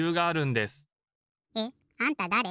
えっ？あんただれ？